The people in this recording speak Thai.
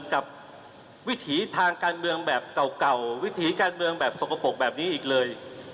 กับวิถีทางการเมืองแบบเก่าวิถีการเมืองแบบสกปรกแบบนี้อีกเลย